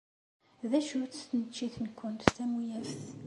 D acu-tt tneččit-nwent tamuyaft?